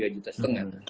tiga juta setengah